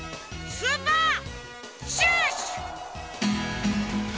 スーパーシュッシュ！